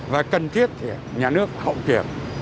và cần thiết thì nhà nước hậu kiểm